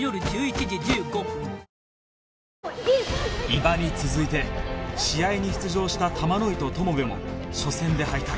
伊庭に続いて試合に出場した玉乃井と友部も初戦で敗退